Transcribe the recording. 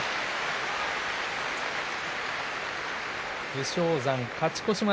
武将山、勝ちました。